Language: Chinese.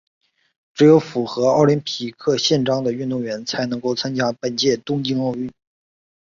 只有符合奥林匹克宪章的运动员才能够参加本届东京奥运。